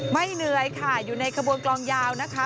เหนื่อยค่ะอยู่ในขบวนกลองยาวนะคะ